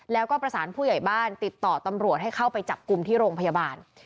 แล้วก็ประสานผู้ใหญ่บ้านติดต่อตำรวจให้เข้าไปจับกลุ่มที่โรงพยาบาล